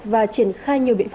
và triển khai nhiều biện pháp